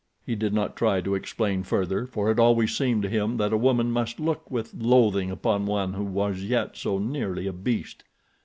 He did not try to explain further, for it always seemed to him that a woman must look with loathing upon one who was yet so nearly a beast.